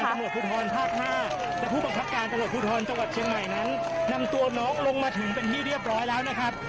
ภาพใจผู้บังคับการตำหนดคุณธรณจักรเชียงใหม่นั้นนำตัวน้องลงมาถึงเป็นที่เรียบร้อยแล้วนะครับ